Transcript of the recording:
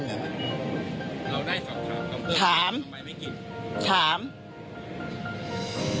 เราได้สอบถามทำไมไม่กิน